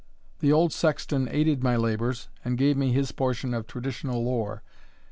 The old sexton aided my labours, and gave me his portion of traditional lore.